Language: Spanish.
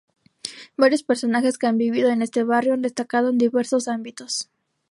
Varios personajes que han vivido en este barrio han destacado en diversos ámbitos.